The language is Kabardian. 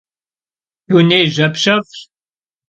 Dunêyğebjıf'eş.